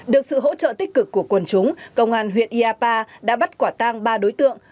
được sự hỗ trợ tích cực của quần chúng công an huyện iapa đã bắt quả tang ba đối tượng